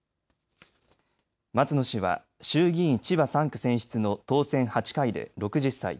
松野氏は衆議院千葉３区選出の当選８回で６０歳。